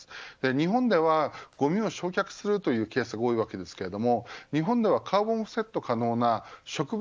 日本ではごみを焼却するというケースが多いですが日本ではカーボンオフセット可能な植物